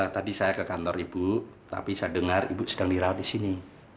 tadi saya ke kantor ibu tapi saya dengar ibu sedang dirawat di sini